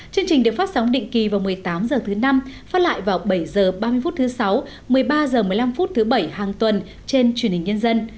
chương trình được phát sóng định kỳ vào một mươi tám h thứ năm phát lại vào bảy h ba mươi phút thứ sáu một mươi ba h một mươi năm thứ bảy hàng tuần trên truyền hình nhân dân